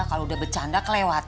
kalau udah bercanda kelewatan